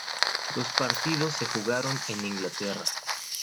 Los partidos se jugaron en Inglaterra.